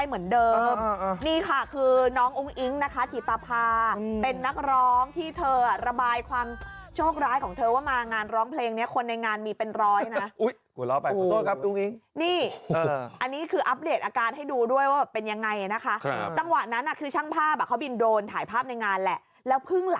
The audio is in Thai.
เหมือนเดิมนี่ค่ะคือน้องอุ้งอิ๊งนะคะถีตาภาเป็นนักร้องที่เธอระบายความโชคร้ายของเธอว่ามางานร้องเพลงนี้คนในงานมีเป็นร้อยนะหัวเราะไปขอโทษครับอุ้งอิ๊งนี่อันนี้คืออัปเดตอาการให้ดูด้วยว่าเป็นยังไงนะคะจังหวะนั้นคือช่างภาพอ่ะเขาบินโดรนถ่ายภาพในงานแหละแล้วเพิ่ง